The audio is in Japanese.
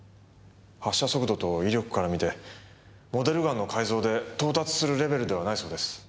発射速度と威力から見てモデルガンの改造で到達するレベルではないそうです。